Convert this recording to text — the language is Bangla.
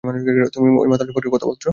তুমি ওই মাতাল সম্পর্কে কথা বলছো?